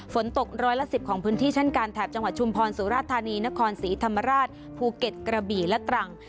ฝนตกร้อยละ๑๐ของพื้นที่เช่นกันแถบจังหวัดชุมพรสุราธานีนครศรีธรรมราชภูเก็ตกระบี่และตรัง